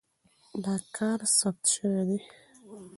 دا کار ثبت شوی دی.